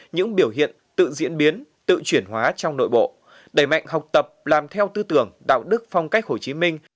những biểu hiện tự diễn biến tự chuyển hóa trong nội bộ đẩy mạnh học tập làm theo tư tưởng đạo đức phong cách hồ chí minh